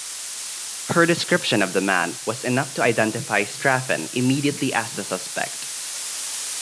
Her description of the man was enough to identify Straffen immediately as the suspect.